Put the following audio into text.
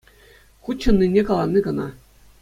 Ку чӑннине калани кӑна.